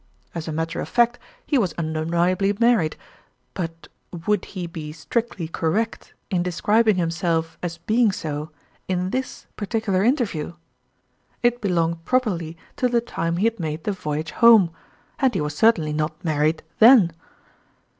As a matter of fact he was undeniably married ; but would he be strictly correct in describing himself as being so in this particu lar interview f It belonged properly to the time he had made the voyage home, and he was certainly not married then.